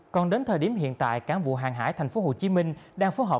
còn đến thời điểm hiện tại cán vụ hàng hải thành phố hồ chí minh đang phối hợp